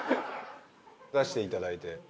出していただいて。